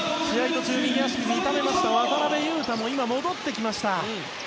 途中右足を痛めた渡邊雄太も戻ってきました。